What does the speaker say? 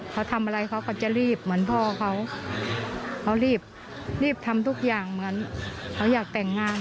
เขาทำอะไรเขาก็จะรีบเหมือนพ่อเขาเขารีบรีบทำทุกอย่างเหมือนเขาอยากแต่งงาน